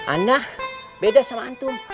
anah beda sama antum